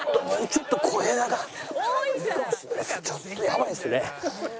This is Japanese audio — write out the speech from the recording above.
ちょっとやばいですね。